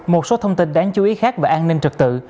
một số thông tin đáng chú ý khác về an ninh trật tự